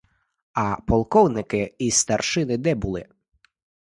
А полковники і старшини де були?